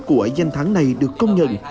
của danh thắng này được công nhận